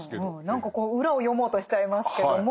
何かこう裏を読もうとしちゃいますけども。